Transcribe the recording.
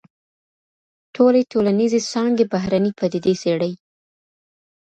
ټولي ټولنيزي څانګي بهرنۍ پديدې څېړي.